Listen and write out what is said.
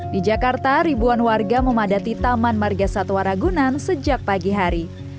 di jakarta ribuan warga memadati taman marga satwa ragunan sejak pagi hari